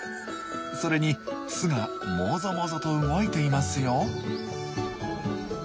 それに巣がもぞもぞと動いていますよ。